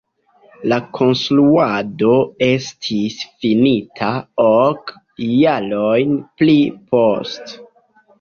La konstruado estis finita ok jarojn pli poste.